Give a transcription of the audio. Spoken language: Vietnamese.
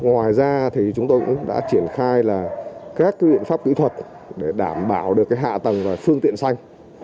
ngoài ra thì chúng tôi cũng đã triển khai các biện pháp kỹ thuật để đảm bảo được hạ tầng và phương tiện xanh